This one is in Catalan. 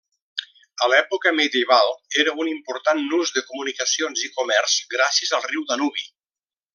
A l'època medieval era un important nus de comunicacions i comerç gràcies al riu Danubi.